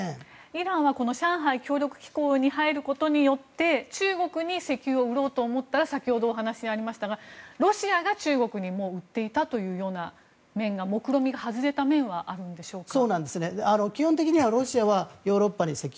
イランは上海協力機構に入ることによって中国に石油を売ろうと思ったら先ほどお話にありましたがロシアが中国にもう売っていたというような面がもくろみが外れた面はあるんでしょうか。